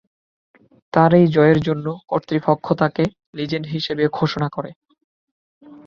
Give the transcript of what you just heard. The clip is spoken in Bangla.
তার এই জয়ের জন্য কর্তৃপক্ষ তাকে লেজেন্ড হিসেবে ঘোষণা করে।